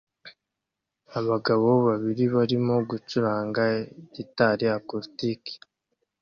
Abagabo babiri barimo gucuranga gitari acoustic